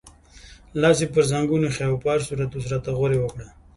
لاس یې پر زنګون ایښی و، په هر صورت اوس راته غورې وکړه.